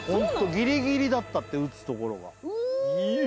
ギリギリだったって撃つところがうーわ